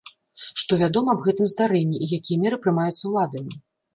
Што вядома аб гэтым здарэнні, і якія меры прымаюцца ўладамі?